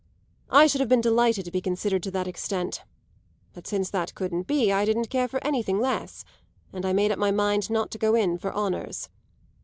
I should have been delighted to be considered to that extent; but since that couldn't be I didn't care for anything less, and I made up my mind not to go in for honours.